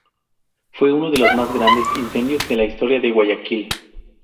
Fue uno de los más grandes incendios de la historia de Guayaquil.